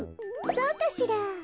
そうかしら。